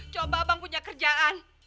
coba abang punya kerjaan